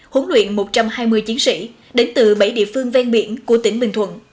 huấn luyện một trăm hai mươi chiến sĩ đến từ bảy địa phương ven biển của tỉnh bình thuận